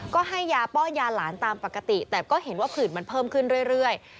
ก็ให้ยาป้อนยาหลานตามปกติแต่ก็เห็นว่าผื่นมันเพิ่มขึ้นเรื่อย